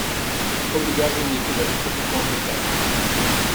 Obrigado Nicholas por me convidar.